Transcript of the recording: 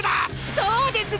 そうですね！